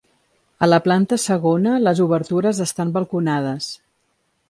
A la planta segona les obertures estan balconades.